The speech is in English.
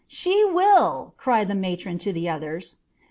"She will!" cried the matron to the others.